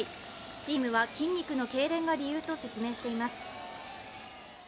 チームは筋肉のけいれんが理由と説明しています。